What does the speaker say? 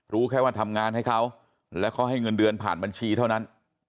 รู้แค่ว่าทำงานให้เขาและเขาให้เงินเดือนผ่านบัญชีเท่านั้น